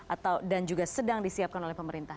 atau dan juga sedang disiapkan oleh pemerintah